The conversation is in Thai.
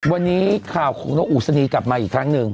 วันนี้ข่าวของนกอุศนีกลับมาอีกครั้งหนึ่ง